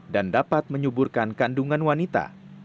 dan dapat menyuburkan kandungan wanita